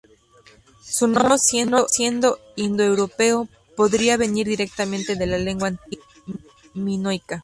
Su nombre, no siendo indoeuropeo, podría venir directamente de la lengua antigua minoica.